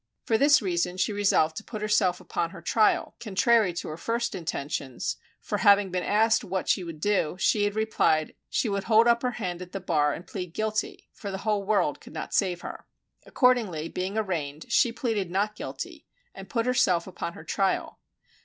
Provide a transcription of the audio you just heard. For this reason she resolved to put herself upon her trial (contrary to her first intentions; for having been asked what she would do, she had replied she would hold up her hand at the bar and plead guilty, for the whole world could not save her). Accordingly, being arraigned, she pleaded not guilty, and put herself upon her trial.